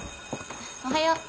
おはよう。